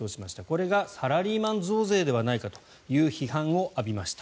これがサラリーマン増税ではないかという批判を浴びました。